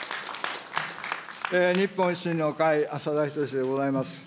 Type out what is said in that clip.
日本維新の会、浅田均でございます。